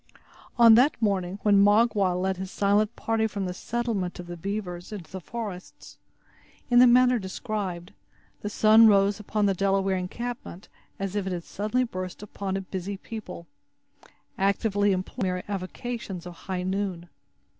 On that morning when Magua led his silent party from the settlement of the beavers into the forests, in the manner described, the sun rose upon the Delaware encampment as if it had suddenly burst upon a busy people, actively employed in all the customary avocations of high noon.